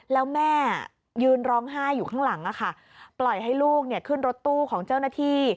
แล้วแม่ยืนร้องไห้อยู่ข้างหลังปล่อยให้ลูกขึ้นรถตู้ของเจ้าหน้าที่